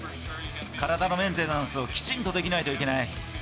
体のメンテナンスをきちんとできないといけない。